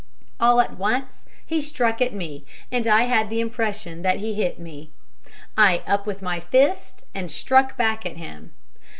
All at once he struck at me, and I had the impression that he hit me. I up with my fist and struck back at him.